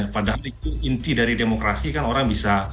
padahal itu inti dari demokrasi kan orang bisa